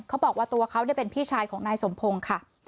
เขาบอกว่าตัวเขาเป็นพี่ชายของนายสมพงศ์ค่ะ